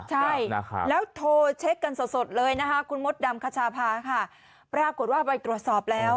ใช่แล้วโทรเช็คกันสดเลยนะคะคุณมดดำคชาพาค่ะปรากฏว่าไปตรวจสอบแล้ว